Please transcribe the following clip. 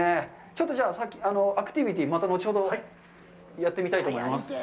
ちょっと先、アクティビティ、また後ほどやってみたいと思います。